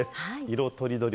色とりどり